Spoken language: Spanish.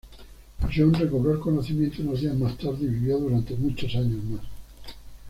John recobró el conocimiento unos días más tarde y vivió durante muchos años más.